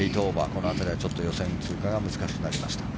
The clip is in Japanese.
この辺りは予選通過が難しくなりました。